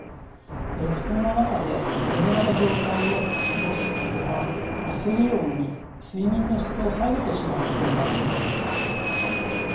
布団の中で眠れない状態を過ごすことは焦りを生み睡眠の質を下げてしまうことになります。